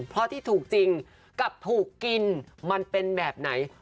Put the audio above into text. เพราะที่ถูกจริงกับถูกกินมันเป็นแบบไหน